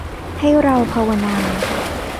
ให้เราภาวนา